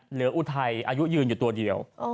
อุทัยอายุยืนอยู่ตัวเดียว